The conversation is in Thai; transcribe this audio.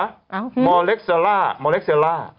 อ้าวมอเล็กเซลล่ามอเล็กเซลล่า